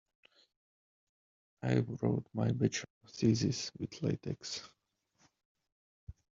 I wrote my bachelor thesis with latex.